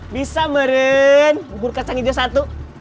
bisa maren ukur kacang hijau satu